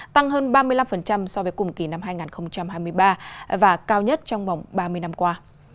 tăng hơn ba mươi năm so với cùng kỳ năm hai nghìn hai mươi ba và cao nhất trong vòng ba mươi năm qua